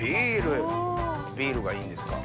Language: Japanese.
ビールがいいんですか？